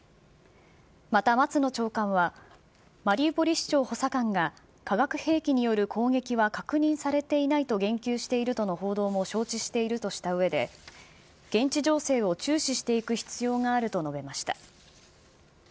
また松野長官は、マリウポリ市長補佐官が、化学兵器による攻撃は確認されていないと言及しているとの報道も承知しているとしたうえで、現地情勢を注視していく必要があると述べました。